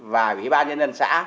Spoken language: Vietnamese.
và quỹ ba nhân dân xã